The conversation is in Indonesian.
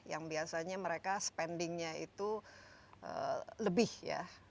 yang biasanya mereka spendingnya itu lebih ya